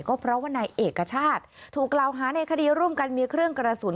ก็เพราะว่านายเอกชาติถูกกล่าวหาในคดีร่วมกันมีเครื่องกระสุน